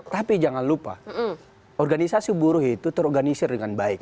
tapi jangan lupa organisasi buruh itu terorganisir dengan baik